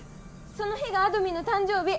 その日があどミンの誕生日！